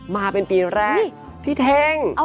มาเป็นปีแรกพี่เท่ง